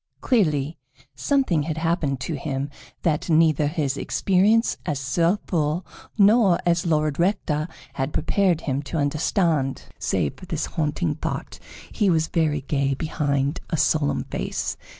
Clearly, something had happened to him that neither his experience as Sir Fool nor as Lord Rector had prepared him to understand. Save for this haunting thought, he was very gay behind a solemn face.